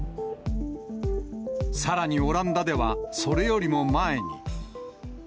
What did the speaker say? さらにオランダでは、それよりも前に。